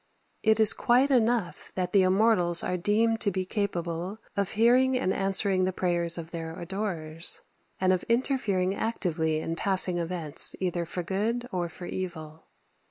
It is quite enough that the immortals are deemed to be capable of hearing and answering the prayers of their adorers, and of interfering actively in passing events, either for good or for evil.